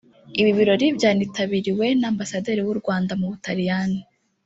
Ibi birori byanitabiriwe na Ambasaderi w’u Rwanda mu Butaliyani